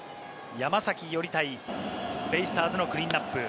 山崎伊織対ベイスターズのクリーンナップ。